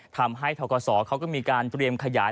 ทกศเขาก็มีการเตรียมขยาย